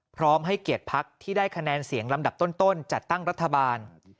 พร้อมให้เกียรติพักที่ได้คะแนนเสียงลำดับต้นจัดตั้งรัฐบาล